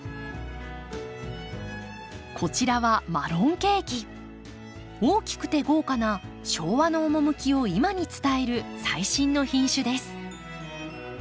こちらは大きくて豪華な昭和の趣を今に伝える最新の品種です。